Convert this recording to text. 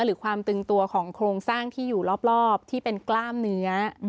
หรือความตึงตัวของโครงสร้างที่อยู่รอบที่เป็นกล้ามเนื้อ